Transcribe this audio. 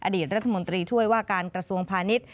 อดีตรัฐมนตรีช่วยว่าการกระทรวงพาณิชย์